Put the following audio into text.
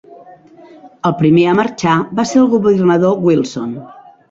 El primer a marxar va ser el governador Wilson.